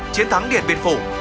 chiến thắng điện biên phủ